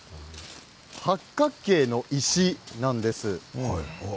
八角形の石なんです。